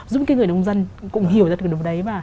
giúp cái người nông dân cũng hiểu ra được điều đấy